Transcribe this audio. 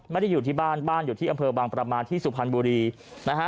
อยู่ที่บ้านบ้านอยู่ที่อำเภอบางประมาณที่สุพรรณบุรีนะฮะ